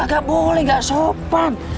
gak boleh gak sopan